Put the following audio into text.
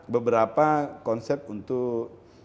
beberapa konsep untuk